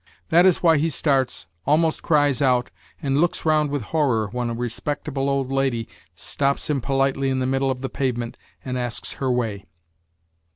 That is why he starts, almost cries out, and looks round with horror when a respectable old lady stops him politely in the middle of the pavement and asks her way.